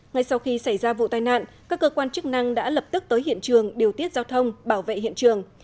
ngay sau khi xảy ra vụ tai nạn các cơ quan chức năng đã lập tức tới hiện trường điều tiết giao thông bảo vệ hiện trường